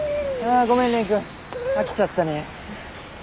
ごめん蓮くん飽きちゃったね。